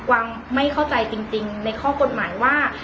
วางไม่เข้าใจจริงในข้อกฎหมายว่า